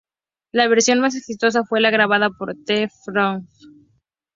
La versión más exitosa fue la grabada por "The Four Aces".